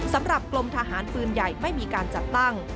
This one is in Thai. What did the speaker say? กรมทหารปืนใหญ่ไม่มีการจัดตั้ง